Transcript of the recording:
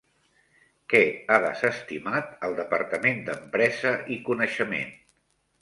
Què ha desestimat el Departament d'Empresa i Coneixement?